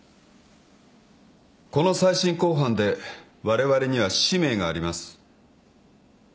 この再審公判でわれわれには使命があります。